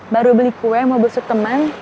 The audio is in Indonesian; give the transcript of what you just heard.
baru beli kue mau besok temen